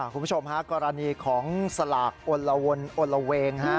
คุณผู้ชมฮะกรณีของสลากอลละวนอนละเวง